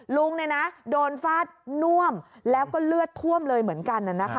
ลุงโดนฟาดน่วมแล้วก็เลือดท่วมเลยเหมือนกัน